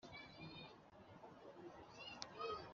bwiganze busesuye bw abahari